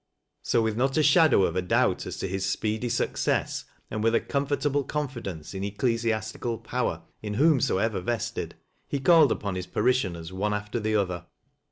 So with not a shadow of a doubt as to his speedy suc cess, and with a comfortable confidence in ecclesiastical power, in whomsoever vested, he called upon his parish ior.ers one after the other.